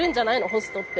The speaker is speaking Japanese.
ホストって。